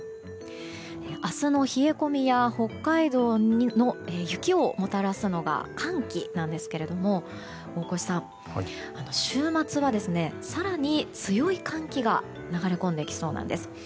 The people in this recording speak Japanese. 明日の冷え込みや北海道に雪をもたらすのが寒気なんですけども大越さん、週末は更に強い寒気が流れ込んできそうなんです。